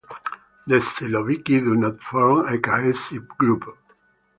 The siloviki do not form a cohesive group.